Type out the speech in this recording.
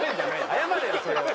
謝れよそれは。